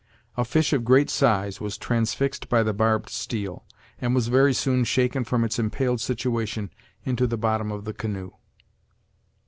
A fish of great size was transfixed by the barbed steel, and was very soon shaken from its impaled situation into the bottom of the canoe.